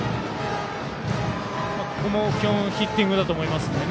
ここも基本ヒッティングだと思いますので